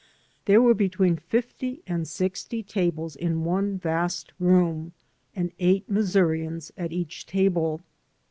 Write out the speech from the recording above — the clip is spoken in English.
There were between fifty and sixty tables in one vast room, and eight Missourians at each table.